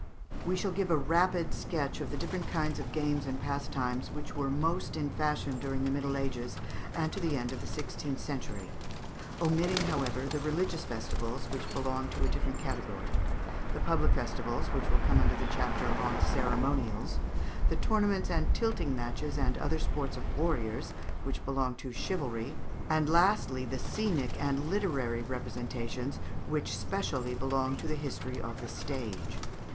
We shall give a rapid sketch of the different kinds of games and pastimes which were most in fashion during the Middle Ages and to the end of the sixteenth century omitting, however, the religious festivals, which belong to a different category; the public festivals, which will come under the chapter on Ceremonials; the tournaments and tilting matches and other sports of warriors, which belong to Chivalry; and, lastly, the scenic and literary representations, which specially belong to the history of the stage.